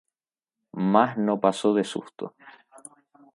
Más no pasó de susto.